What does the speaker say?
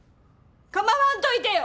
構わんといてよ！